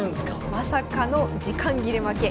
まさかの時間切れ負け。